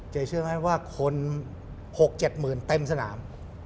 เชื่อไหมว่าคน๖๗หมื่นเต็มสนาม